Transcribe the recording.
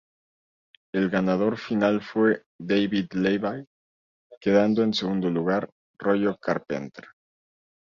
El ganador final fue David Levy, quedando en segundo lugar Rollo Carpenter.